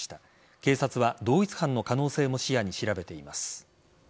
警察は同一犯の可能性も視野に調べています。